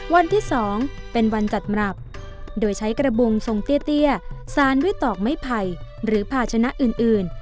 วันที่๒เป็นวันจัดหมับโดยใช้กระบุงทรงเตี้ยสารด้วยตอกไม้ไผ่หรือภาชนะอื่น